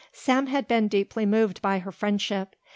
Sam had been deeply moved by her friendship.